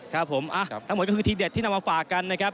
ครับผมทั้งหมดก็คือทีเด็ดที่นำมาฝากกันนะครับ